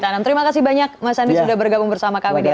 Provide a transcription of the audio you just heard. terima kasih banyak mas andi sudah bergabung bersama kami